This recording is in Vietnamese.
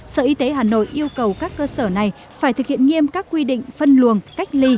sở y tế hà nội yêu cầu các cơ sở này phải thực hiện nghiêm các quy định phân luồng cách ly